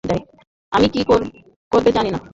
আমি কী করবে জানি না।